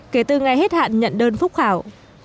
kể từ ngày hết hạn nhận đơn phúc khảo